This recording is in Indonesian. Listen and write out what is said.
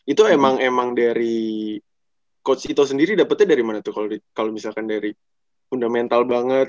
itu emang emang dari coach sito sendiri dapatnya dari mana tuh kalau misalkan dari fundamental banget